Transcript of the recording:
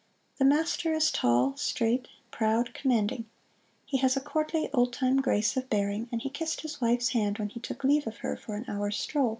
The master is tall, straight, proud, commanding. He has a courtly old time grace of bearing; and he kissed his wife's hand when he took leave of her for an hour's stroll.